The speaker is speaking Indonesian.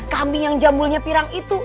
kambing yang jambulnya pirang itu